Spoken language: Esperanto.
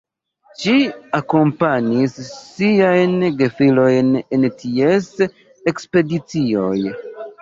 Ŝi akompanis siajn gefilojn en ties ekspedicioj.